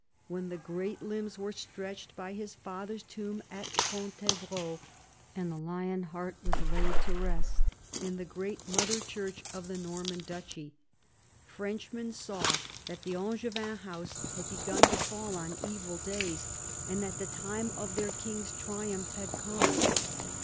When the great limbs were stretched by his father's tomb at Fontevrault, and the lion heart was laid to rest in the great mother church of the Norman duchy, Frenchmen saw that the Angevin house had begun to fall on evil days, and that the time of their king's triumph had come.